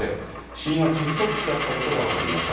死因は窒息死だったことが分かりました。